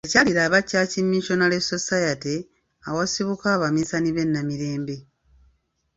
Yakyalira aba Church Missionary Society awasibuka Abaminsani b'e Namirembe.